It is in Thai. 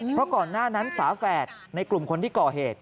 เพราะก่อนหน้านั้นฝาแฝดในกลุ่มคนที่ก่อเหตุ